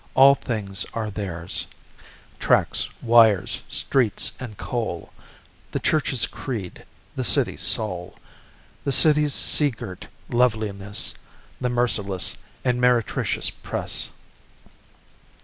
All things are theirs: tracks, wires, streets and coal, The church's creed, The city's soul, The city's sea girt loveliness, The merciless and meretricious press.